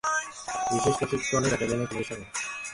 বিশেষ প্রশিক্ষণ ব্যাটালিয়নে তোমাদের স্বাগত।